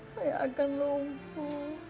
saya akan lupu